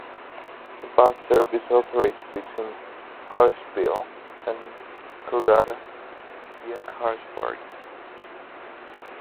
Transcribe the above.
A bus service operates between Hurstville and Kogarah via Carss Park.